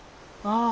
ああ。